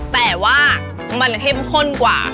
แต่ว่ามันเข้มข้นกว่า